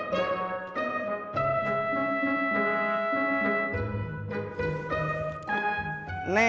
gak ada apa apa